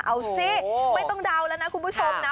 เอาสิไม่ต้องเดาแล้วนะคุณผู้ชมนะ